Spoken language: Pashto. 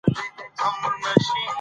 دوی په فونېم کې توپیر لري.